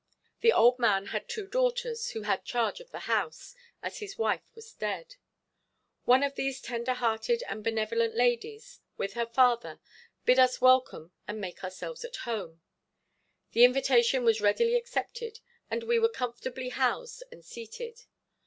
The old man had two daughters, who had charge of the house, as his wife was dead; one of these tender hearted and benevolent ladies, with her father, bid us welcome and make ourselves at home. The invitation was readily accepted and we were comfortably housed and seated.